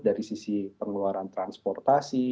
dari sisi pengeluaran transportasi